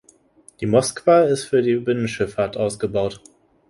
Die Moskwa ist für die Binnenschifffahrt ausgebaut.